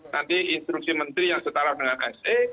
nanti instruksi menteri yang setara dengan se